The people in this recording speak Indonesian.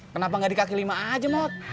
kenapa nggak di kaki lima aja mok